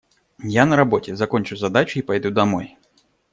Я на работе, закончу задачу и пойду домой.